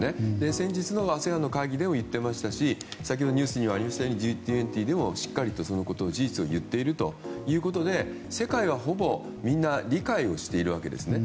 先日のＡＳＥＡＮの会議でも言ってましたし先ほどニュースにもありましたように、Ｇ２０でもしっかりと事実を言っているということで世界はほぼみんな理解しているわけですね。